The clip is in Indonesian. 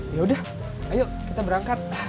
yaudah ayo kita berangkat